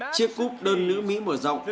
chiếc cúp đơn nữ mỹ mở rộng